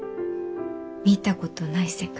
見たことない世界？